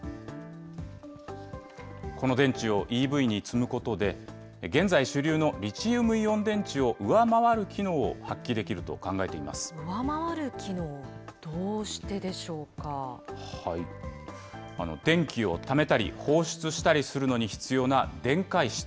この電池をＥＶに積むことで、現在主流のリチウムイオン電池を上回る機能を発揮できると考えて上回る機能、どうしてでしょ電気をためたり、放出したりするのに必要な電解質。